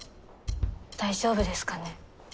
大丈夫ですかね？